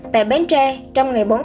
tại bến tre trong ngày bốn tháng